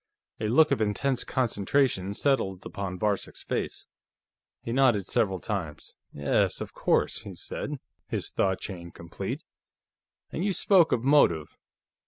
A look of intense concentration settled upon Varcek's face. He nodded several times. "Yes. Of course," he said, his thought chain complete. "And you spoke of motive.